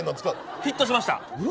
ヒットしました！